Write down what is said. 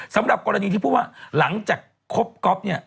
สำหรับกรณีที่พูดว่าหลังจากคบก๊อฟเนี่ย